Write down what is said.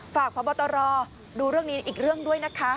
พบตรดูเรื่องนี้อีกเรื่องด้วยนะคะ